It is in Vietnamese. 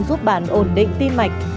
giúp bạn ổn định tim mạch